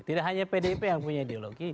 tidak hanya pdip yang punya ideologi